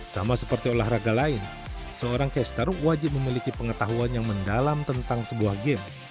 sama seperti olahraga lain seorang caster wajib memiliki pengetahuan yang mendalam tentang sebuah game